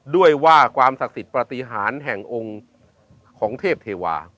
ด้วยว่าความศักดิ์สิทธิ์ปฏิหารแห่งองค์ของเทพเทวา